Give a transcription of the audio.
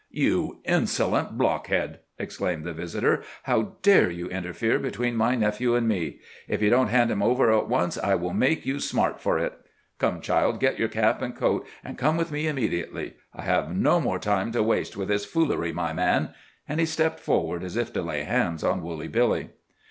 "You insolent blockhead!" exclaimed the visitor. "How dare you interfere between my nephew and me? If you don't hand him over at once, I will make you smart for it. Come, child, get your cap and coat, and come with me immediately. I have no more time to waste with this foolery, my man." And he stepped forward as if to lay hands on Woolly Billy.